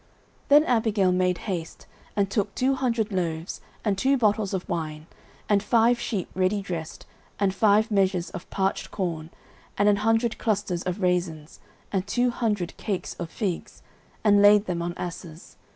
09:025:018 Then Abigail made haste, and took two hundred loaves, and two bottles of wine, and five sheep ready dressed, and five measures of parched corn, and an hundred clusters of raisins, and two hundred cakes of figs, and laid them on asses.